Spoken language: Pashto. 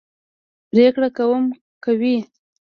پرېکړه کوم کوي.